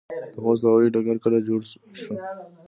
د خوست هوايي ډګر کله جوړ شو؟